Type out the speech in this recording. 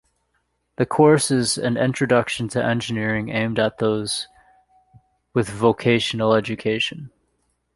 The course is an introduction to engineering aimed at those with vocational education.